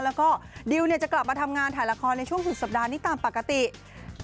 แล้วก็ดิวจะกลับมาทำงานถ่ายละครในช่วงสุดสัปดาห์นี้ตามปกติ